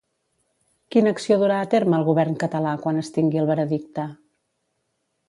Quina acció durà a terme el govern català quan es tingui el veredicte?